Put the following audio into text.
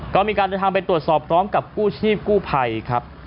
ก็มีการเดินทางไปตรวจสอบพร้อมกับกู้ชีพกู้ภัยครับ